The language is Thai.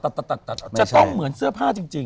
จะต้องเหมือนเสื้อผ้าจริง